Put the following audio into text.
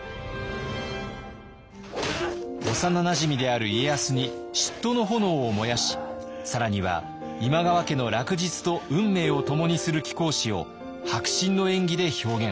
幼なじみである家康に嫉妬の炎を燃やし更には今川家の落日と運命を共にする貴公子を迫真の演技で表現。